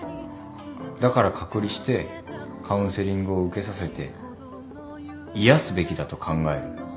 だから隔離してカウンセリングを受けさせて癒やすべきだと考える。